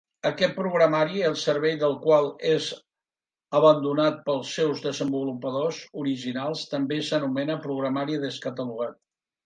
Aquest programari el servei del qual és abandonat pels seus desenvolupadors originals també s'anomena programari descatalogat.